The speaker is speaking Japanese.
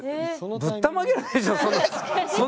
ぶったまげられるでしょ？